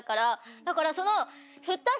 だからその。